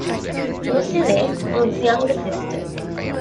Lucille - Ruth's younger sister.